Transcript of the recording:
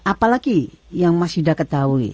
apalagi yang mas hida ketahui